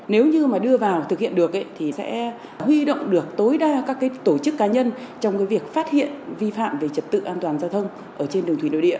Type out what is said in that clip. nếu như mà đưa vào thực hiện được thì sẽ huy động được tối đa các tổ chức cá nhân trong việc phát hiện vi phạm về trật tự an toàn giao thông trên đường thủy nội địa